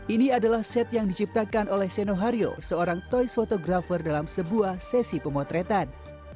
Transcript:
ini adalah set yang diciptakan oleh seno hario seorang toys fotografer dalam sebuah sesi pemotretan